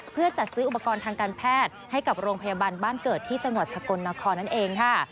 เพื่อจัดซื้ออุปกรณ์ทางการแพทย์ให้กับโรงพยาบาลบ้านเกิดที่จังหวัดสกลนครนั่นเองค่ะ